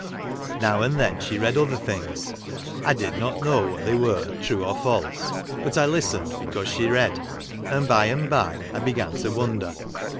Now and then she read other things. I did not know what they were, true or false ; but I listened be cause she read ; and, by and by, I began to wonder.